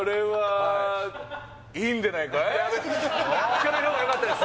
聞かない方がよかったです